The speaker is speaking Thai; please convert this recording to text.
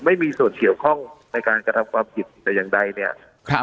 ไม่มีส่วนเกี่ยวข้องในการกระทำความผิดแต่อย่างใดเนี่ยครับ